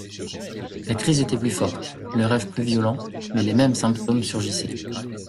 La crise était plus forte, le rêve plus violent, mais les mêmes symptômes surgissaient.